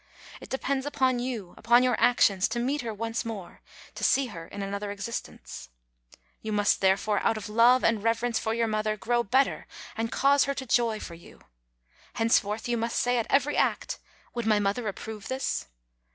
It depends upon you, upon your actions, to meet her once more, to see her in another existence. You must, therefore, out of love and reverence for your mother, grow better and cause her to joy for you. Henceforth you must say at every act, "Would my mother approve this?"